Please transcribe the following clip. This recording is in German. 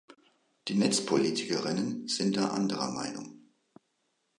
Die Netzpolitikerinnen sind da anderer Meinung.